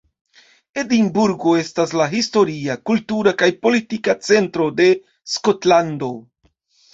Edinburgo estas la historia, kultura kaj politika centro de Skotlando.